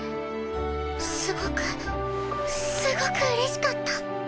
すごくすごくうれしかった。